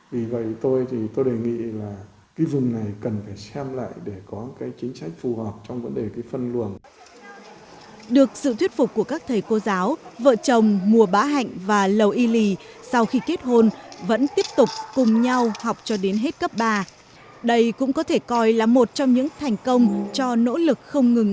vì vậy tôi thì tôi đề nghị là cái vùng này cần phải xem lại để có cái chính sách phù hợp trong vấn đề cái phân luồng được sự thuyết phục của các thầy cô giáo vợ chồng mùa bá hạnh và lầu y lì sau khi kết hôn vẫn tiếp tục cùng nhau học cho đến hết cấp ba đây cũng có thể coi là một trong những thành công cho nỗ lực không ngừng kết hôn